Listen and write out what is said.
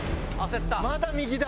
まだ右だ。